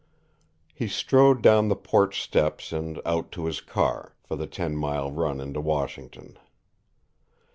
He strode down the porch steps and out to his car for the ten mile run into Washington.